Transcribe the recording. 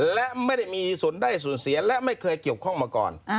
และไม่ได้มีส่วนได้ส่วนเสียและไม่เคยเกี่ยวข้องมาก่อน